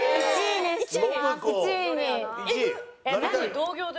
同業で。